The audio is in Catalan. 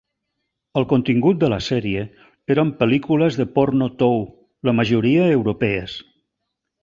El contingut de la sèrie eren pel·lícules de porno tou, la majoria europees.